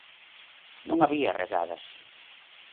Non había redadas.